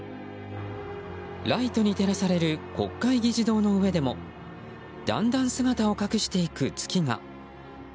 ライトに照らされる国会議事堂の上でもだんだん姿を隠していく月が。